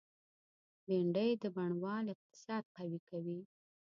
بېنډۍ د بڼوال اقتصاد قوي کوي